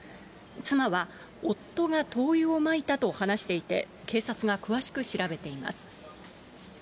妻は、夫が灯油をまいたと話していて、警察が詳しく調べています。